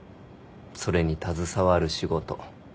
それに携わる仕事。